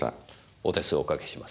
お手数おかけします。